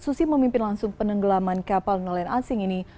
susi memimpin langsung penenggelaman kapal nelayan asing ini